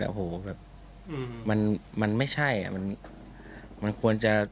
โอ้โหแบบมันไม่ใช่อ่ะมันควรจะ